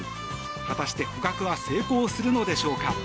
果たして捕獲は成功するのでしょうか。